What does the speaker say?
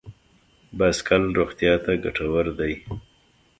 بایسکل روغتیا ته ګټور دی.